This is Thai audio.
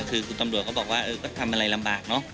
คือคุณตำรวจก็บอกว่าเออก็ทำอะไรลำบากเนอะ